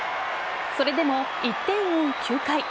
それでも１点を追う９回。